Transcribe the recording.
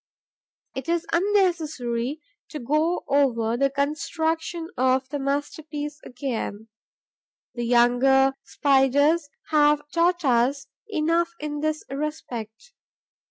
It is unnecessary to go over the construction of the masterpiece again; the younger Spiders have taught us enough in this respect.